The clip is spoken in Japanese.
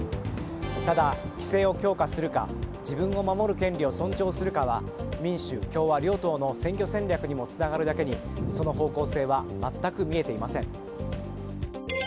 ただ、規制を強化するか自分を守る権利を尊重するかは民主・共和両党の選挙戦略にもつながるだけにその方向性は全く見えていません。